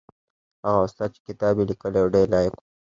هغه استاد چې کتاب یې لیکلی و ډېر لایق و.